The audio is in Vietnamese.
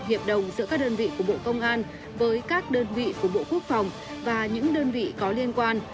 hiệp đồng giữa các đơn vị của bộ công an với các đơn vị của bộ quốc phòng và những đơn vị có liên quan